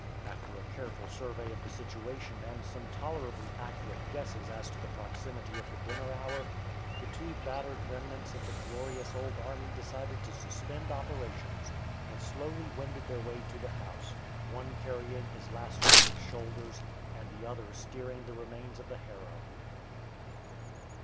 After a careful survey of the situation and some tolerably accurate guesses as to the proximity of the dinner hour, the two battered remnants of the glorious old army decided to suspend operations, and slowly wended their way to the house: one carrying his lacerated shoulders, and the other steering the remains of the harrow.